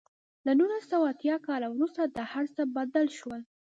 له نولس سوه اتیا کال وروسته دا هر څه بدل شول.